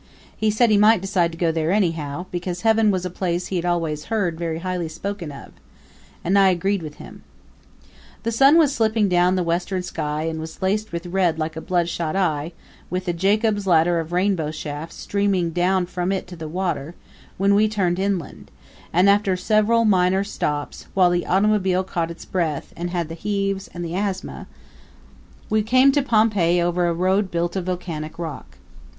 He said he might decide to go there anyhow, because heaven was a place he had always heard very highly spoken of. And I agreed with him. The sun was slipping down the western sky and was laced with red like a bloodshot eye, with a Jacob's Ladder of rainbow shafts streaming down from it to the water, when we turned inland; and after several small minor stops, while the automobile caught its breath and had the heaves and the asthma, we came to Pompeii over a road built of volcanic rock.